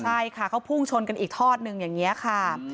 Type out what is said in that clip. ใช่ค่ะเขาพุ่งชนกันอีกทอดหนึ่งอย่างนี้ค่ะ